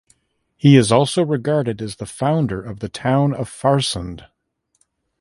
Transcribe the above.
He is also regarded as the founder of the town of Farsund.